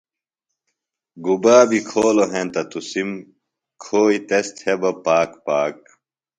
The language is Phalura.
گُبا بیۡ کھولوۡ ہینتہ تُسم، کھوئیۡ تس تھےۡ بہ پاک پاک